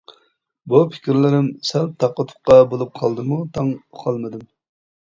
بۇ پىكىرلىرىم سەل تاققا-تۇققا بولۇپ قالدىمۇ تاڭ ئۇقالمىدىم.